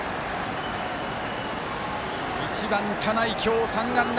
１番、田内、今日３安打。